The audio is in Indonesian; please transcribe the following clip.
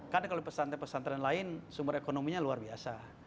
karena kalau pesantren pesantren lain sumber ekonominya luar biasa